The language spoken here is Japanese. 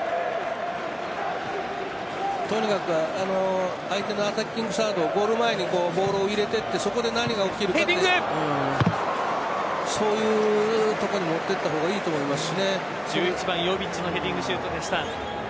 とにかく相手のアタッキングサードをゴール前にボールを入れていってそこで何が起きるかそういうところにもっていった方が１１番ヨヴィッチのヘディングシュートでした。